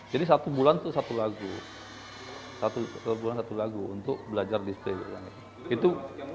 jadi satu bulan itu satu lagu satu bulan satu lagu untuk belajar display gitu